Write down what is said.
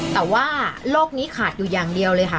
แต่ว่าโลกนี้ขาดอยู่อย่างเดียวเลยค่ะ